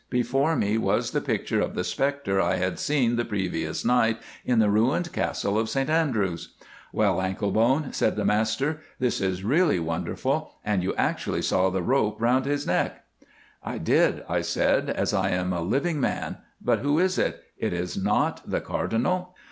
Before me was the picture of the spectre I had seen the previous night in the ruined Castle of Saint Andrews. "'Well, Anklebone,' said the master, 'this is really wonderful, and you actually saw the rope round the neck?' "'I did,' I said, 'as I am a living man, but who is it? It is not the Cardinal?